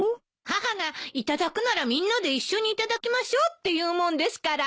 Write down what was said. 母がいただくならみんなで一緒にいただきましょうって言うもんですから。